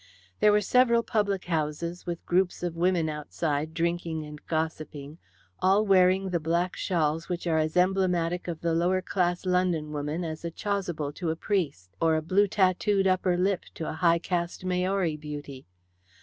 There were several public houses with groups of women outside drinking and gossiping, all wearing the black shawls which are as emblematic of the lower class London woman as a chasuble to a priest, or a blue tattooed upper lip to a high caste Maori beauty.